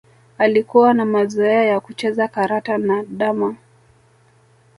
Alikuwa na mazoea ya kucheza karata na damma